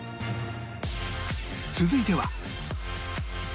続いては